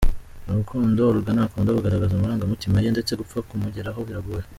Mu rukundo, Olga ntakunda kugaragaza amarangamutima ye ndetse gupfa kumugeraho biragoye.